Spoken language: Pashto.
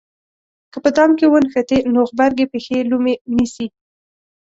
که په دام کې ونښتې نو غبرګې پښې یې لومې نیسي.